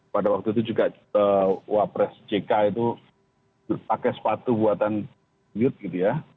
pada waktu itu juga wak pres ck itu pakai sepatu buatan youth gitu ya